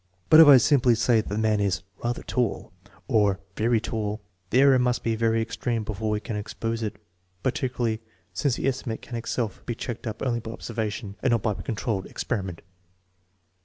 But if I say simply that the mau is " rather tail/' SOURCES OF ERROR IN JUDGING 31 or " very tall," the error must be very extreme before we can expose it, particularly since the estimate can itself be checked up only by observation and not by controlled ex periment.